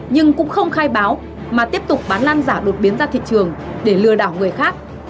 nhưng cũng không khai báo mà tiếp tục bán lan giả đột biến ra thị trường để lừa đảo người khác